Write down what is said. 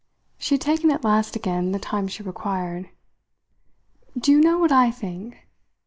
She had taken at last again the time she required. "Do you know what I think?"